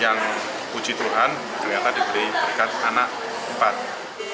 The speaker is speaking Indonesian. yang puji tuhan ternyata diberikan anak empat